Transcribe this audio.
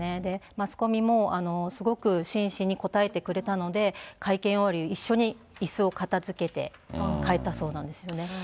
マスコミもすごく真摯に答えてくれたので、会見終わり、一緒にいすを片づけて帰ったそうなんですよね。